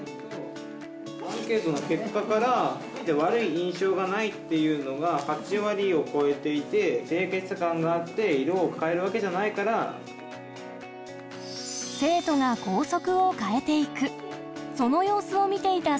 アンケートの結果から、悪い印象がないっていうのが８割を超えていて、清潔感があって、生徒が校則を変えていく。